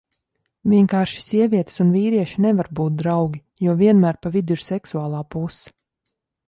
Vienkārši sievietes un vīrieši nevar būt draugi, jo vienmēr pa vidu ir seksuālā puse.